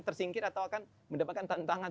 tersingkir atau akan mendapatkan tantangan